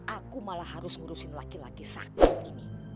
aku malah harus ngurusin laki laki satu ini